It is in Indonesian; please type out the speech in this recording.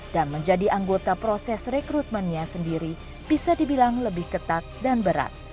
dan menjadi anggota proses rekrutmennya sendiri bisa dibilang lebih ketat dan berat